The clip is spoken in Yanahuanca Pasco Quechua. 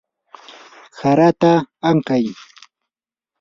harata ankay.